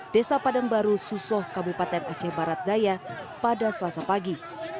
desa padang baru susoh kabupaten aceh barat daya pada selasa pagi